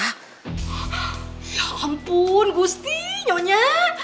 ya ampun gusti nyonya